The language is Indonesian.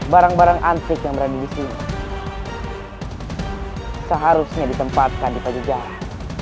barang barang antik yang berada di sini seharusnya ditempatkan di pajajaran